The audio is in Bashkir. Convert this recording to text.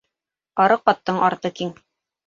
Арыҡ аттың арты киң.